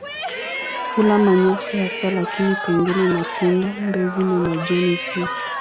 Hula manyasi hasa lakini pengine matunda, mbegu na majani pia.